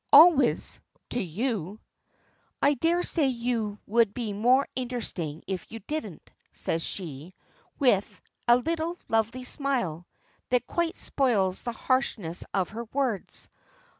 "Always to you." "I daresay you would be more interesting if you didn't," says she, with a little, lovely smile, that quite spoils the harshness of her words.